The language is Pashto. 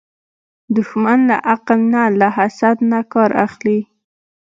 دښمن له عقل نه، له حسد نه کار اخلي